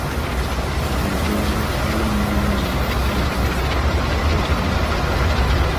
Ngwebele kalamu lyami lolunwe, ndjiswele myanda.